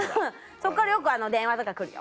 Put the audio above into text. そっからよく電話とか来るよ。